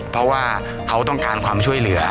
เพราะว่าเขาต้องการความช่วยเหลือ